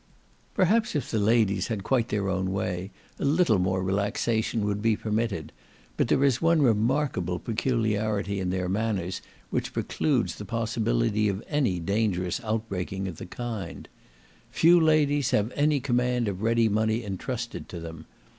Perhaps if the ladies had quite their own way, a little more relaxation would be permitted; but there is one remarkable peculiarity in their manners which precludes the possibility of any dangerous outbreaking of the kind: few ladies have any command of ready money entrusted to them.